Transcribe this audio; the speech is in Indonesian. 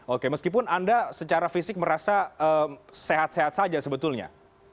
oke meskipun anda secara fisik merasa sehat sehat saja sebetulnya